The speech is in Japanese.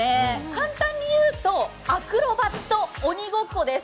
簡単に言うと、アクロバット鬼ごっこです。